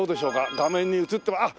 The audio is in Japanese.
画面に映ってあっ！